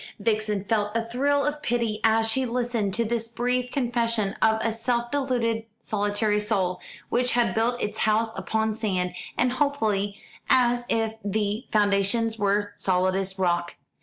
Vixen felt a thrill of pity as she listened to this brief confession of a self deluded solitary soul, which had built its house upon sand, as hopefully as if the foundations were solidest rock.